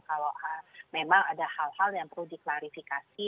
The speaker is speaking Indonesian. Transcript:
kalau memang ada hal hal yang perlu diklarifikasi